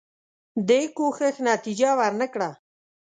دې کوښښ نتیجه ورنه کړه.